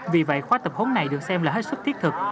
vì vậy khóa tập huấn này được xem là hết sức thiết thực